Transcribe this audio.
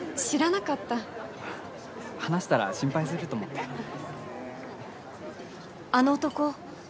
知らなかった話したら心配すると思ってあの男